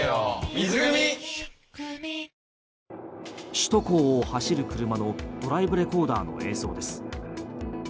首都高を走る車のドライブレコーダーの映像です。